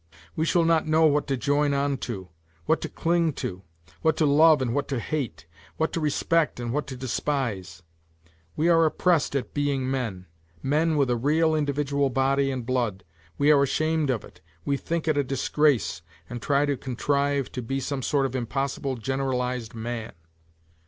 We shall not know what to join on to, what to cling to, what to love and what to hate, what to respect and what to despise. We are oppressed at being men men with a real individual body and blood, we are ashamed of it, we think it a disgrace and try to contrive to be some sort of impossible generalized man.